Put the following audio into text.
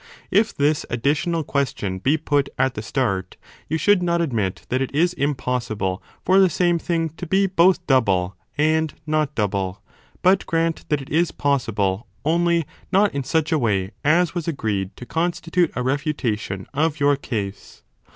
If this 5 additional question be put at the start, you should not admit that it is impossible for the same thing to be both double and not double, but grant that it is possible, only not in such a way as was agreed to constitute a refutation of your case.